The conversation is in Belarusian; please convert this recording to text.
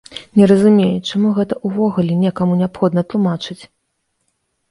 Не разумею, чаму гэта ўвогуле некаму неабходна тлумачыць!